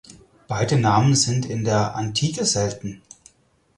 Beide Namen sind in der Antike selten.